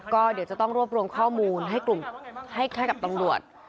ก็เดี๋ยวจะต้องรวบรวมข้อมูลให้กลุ่มให้แค่กับตำรวจ